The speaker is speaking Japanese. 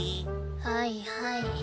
はいはい。